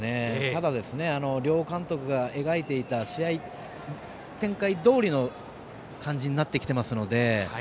ただ、両監督が描いていた試合展開どおりの感じになってきていますので。